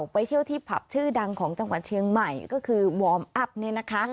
ไปเที่ยวที่ผับชื่อดังของจังหวัดเชียงใหม่ก็คือวอร์มอัพเนี่ยนะคะ